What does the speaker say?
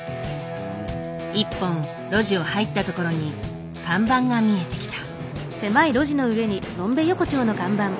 一本路地を入った所に看板が見えてきた。